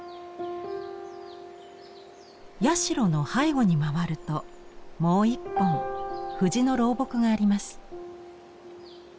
社の背後に回るともう一本藤の老木があります。